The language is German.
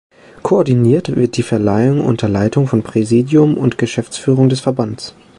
Koordiniert wird die Verleihung unter Leitung von Präsidium und Geschäftsführung des Verbands.